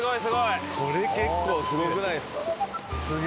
これ結構すごくないですか。